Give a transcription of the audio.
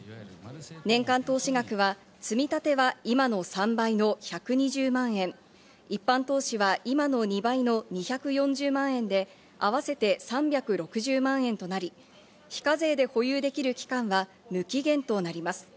年間投資額は積み立ては今の３倍の１２０万円、一般投資は今の２倍の２４０万円で、合わせて３６０万円となり、非課税で保有できる期間は無期限となります。